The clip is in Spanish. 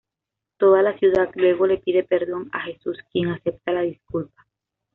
Toda la ciudad luego le pide perdón a Jesús, quien acepta la disculpa.